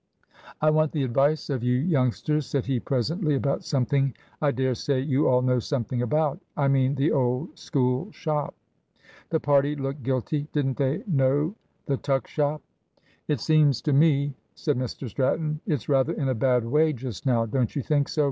"I want the advice of you youngsters," said he presently, "about something I dare say you all know something about. I mean the old School shop." The party looked guilty. Didn't they know the tuck shop? "It seems to me," said Mr Stratton, "it's rather in a bad way just now; don't you think so?